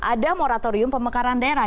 ada moratorium pemekaran daerah